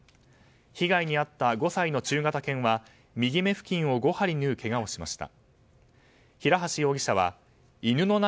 被害に遭った５歳の中型犬は右目付近を５針縫うけがをしました。